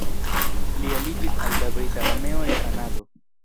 Li aliĝis al la brita armeo en Kanado.